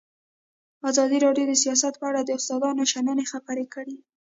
ازادي راډیو د سیاست په اړه د استادانو شننې خپرې کړي.